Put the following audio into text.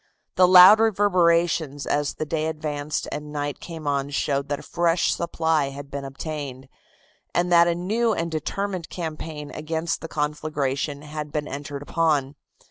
The louder reverberations as the day advanced and night came on showed that a fresh supply had been obtained, and that a new and determined campaign against the conflagration had been entered upon.